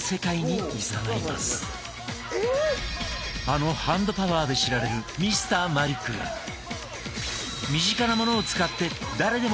あのハンドパワーで知られるＭｒ．マリックが身近なものを使って誰でもできるマジックをご紹介！